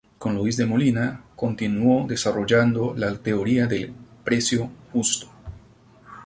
Con Luis de Molina, continuó desarrollando la teoría del precio justo.